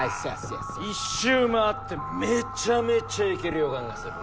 １周回ってめちゃめちゃいける予感がする。